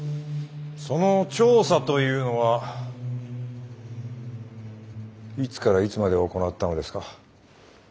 その調査というのはいつからいつまで行ったのですか？